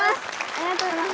ありがとうございます。